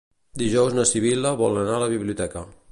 Dijous na Sibil·la vol anar a la biblioteca.